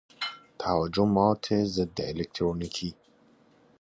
تهاجمات ضد الکترونیکی